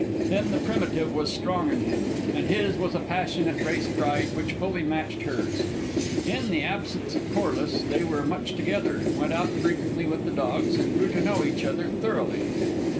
Then the primitive was strong in him, and his was a passionate race pride which fully matched hers. In the absence of Corliss they were much together, went out frequently with the dogs, and grew to know each other thoroughly.